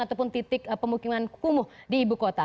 ataupun titik pemukiman kumuh di ibu kota